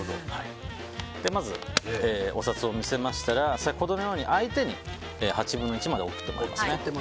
まずお札を見せましたら先ほどのように相手に８分の１まで折ってもらいます。